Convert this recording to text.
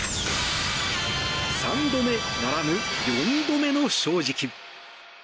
３度目ならぬ４度目の正直。